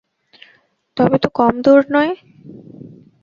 তবে তো কম দূর নয়!